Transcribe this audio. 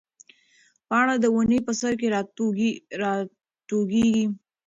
پاڼه د ونې په سر کې راټوکېږي.